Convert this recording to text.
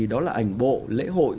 đó là ảnh bộ lễ hội